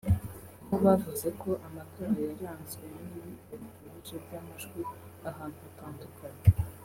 aho bavuze ko amatora yaranzwe n’iyibwa rikabije ry’amajwi ahantu hatandukanye